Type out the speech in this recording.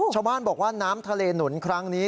ชาวบ้านบอกว่าน้ำทะเลหนุนครั้งนี้